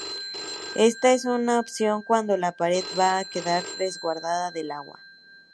Esta es una opción cuando la pared va a quedar resguardada del agua.